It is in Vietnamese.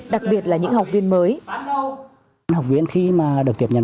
đặc biệt là những học viên mới